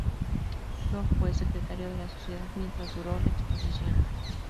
Grove fue secretario de la sociedad mientras duró la exposición.